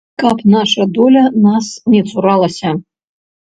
Каб наша доля нас не цуралася!